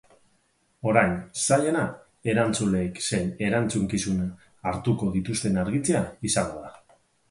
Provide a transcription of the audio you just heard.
Orain, zailena, erantzuleek zein erantzukizun hartuko dituzten argitzea izango da.